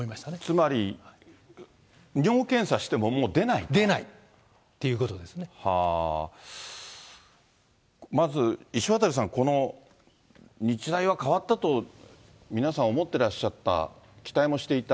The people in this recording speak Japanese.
つまり、尿検査しても、まず石渡さん、この日大は変わったと皆さん思ってらっしゃった、期待もしていた。